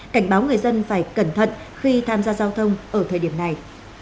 cảnh báo người dân phải cẩn thận khi tham gia giao thông ở thời điểm này